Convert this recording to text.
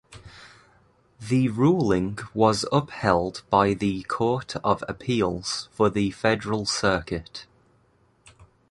The ruling was upheld by the Court of Appeals for the Federal Circuit.